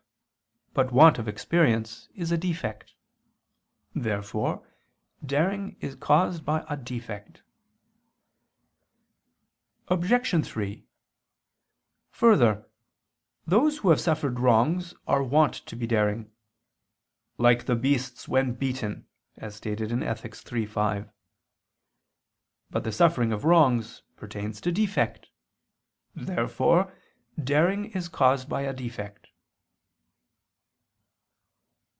But want of experience is a defect. Therefore daring is caused by a defect. Obj. 3: Further, those who have suffered wrongs are wont to be daring; "like the beasts when beaten," as stated in Ethic. iii, 5. But the suffering of wrongs pertains to defect. Therefore daring is caused by a defect.